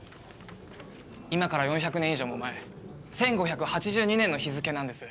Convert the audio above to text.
今から４００年以上も前１５８２年の日付なんです。